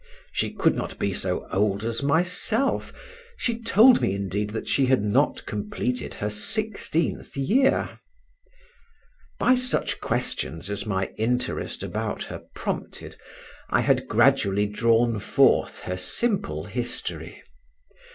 She could not be so old as myself; she told me, indeed, that she had not completed her sixteenth year. By such questions as my interest about her prompted I had gradually drawn forth her simple history.